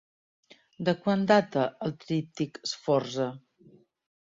De quan data el Tríptic Sforza?